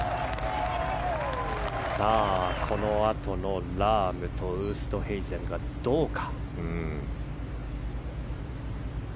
このあとのラームとウーストヘイゼンがどうか。